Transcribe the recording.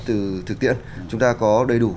từ thực tiễn chúng ta có đầy đủ